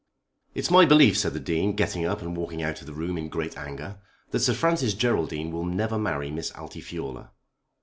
"It's my belief," said the Dean, getting up and walking out of the room in great anger, "that Sir Francis Geraldine will never marry Miss Altifiorla."